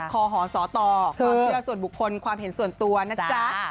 คอหสตความเชื่อส่วนบุคคลความเห็นส่วนตัวนะจ๊ะ